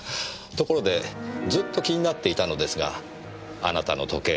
ところでずっと気になっていたのですがあなたの時計